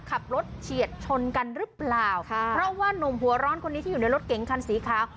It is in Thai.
ขับรถเฉียดชนกันหรือเปล่าค่ะเพราะว่านุ่มหัวร้อนคนนี้ที่อยู่ในรถเก๋งคันสีขาว